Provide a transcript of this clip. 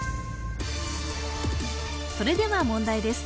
それでは問題です